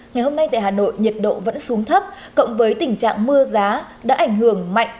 ngày hôm nay tại hà nội nhiệt độ vẫn xuống thấp cộng với tình trạng mưa giá đã ảnh hưởng mạnh